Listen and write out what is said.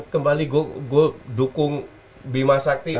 kembali gue dukung bima sakti